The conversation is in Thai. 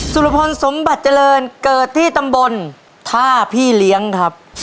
สุรพลสมบัติเจริญเกิดที่ตำบลท่าพี่เลี้ยงครับ